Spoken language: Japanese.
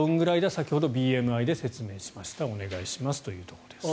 先ほどＢＭＩで説明しましたお願いしますというところです。